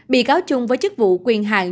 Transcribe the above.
bị cáo trung với chức vụ quyền hạng